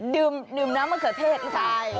ดื่มน้ำมะเขือเทศ